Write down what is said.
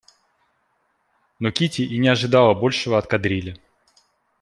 Но Кити и не ожидала большего от кадрили.